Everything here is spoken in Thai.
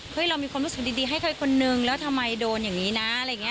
เรามีความรู้สึกดีให้ใครคนนึงแล้วทำไมโดนอย่างนี้นะอะไรอย่างนี้